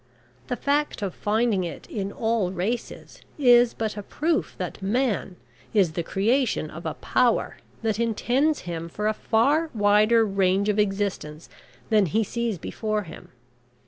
The fact of finding it in all races is but a proof that Man is the creation of a Power that intends him for a far wider range of existence than he sees before him.